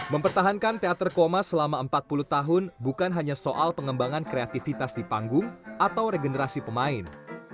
mempertahankan teater koma selama empat puluh tahun bukan hanya soal pengembangan kreativitas di panggung atau regenerasi pemain